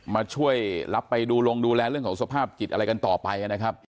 มาช่วยรับไปดูลงดูแลเรื่องของสภาพจิตอะไรกันต่อไปนะครับ